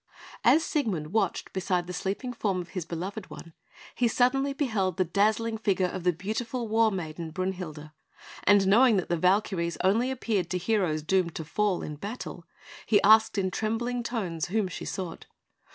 As Siegmund watched beside the sleeping form of his beloved one, he suddenly beheld the dazzling figure of the beautiful war maiden, Brünhilde; and knowing that the Valkyries only appeared to heroes doomed to fall in battle, he asked in trembling tones whom she sought.